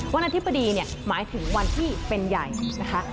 วันอาทิตย์ประดีหมายถึงวันที่เป็นใหญ่นะคะ